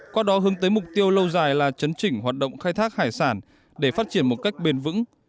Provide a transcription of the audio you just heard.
qua đó hướng tới mục tiêu lâu dài là chấn chỉnh hoạt động khai thác hải sản để phát triển một cách bền vững